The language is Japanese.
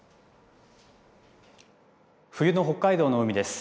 冬の北海道の海です。